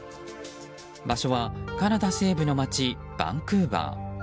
場所は、カナダ西部の街バンクーバー。